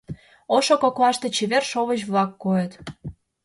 Ошо коклаште чевер шовыч-влак койыт.